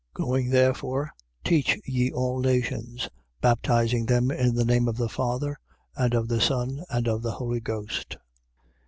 Going therefore, teach ye all nations: baptizing them in the name of the Father and of the Son and of the Holy Ghost.